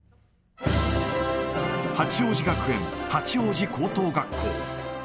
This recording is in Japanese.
八王子学園八王子高等学校。